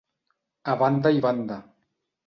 A banda i banda.